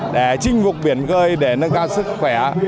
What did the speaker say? để chinh phục biển gơi để nâng cao sức khỏe